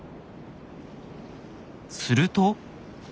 すると。